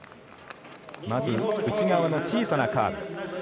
まず、内側の小さなカーブ。